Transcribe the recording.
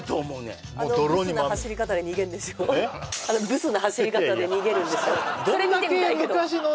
あのあのブスな走り方で逃げるんでしょ？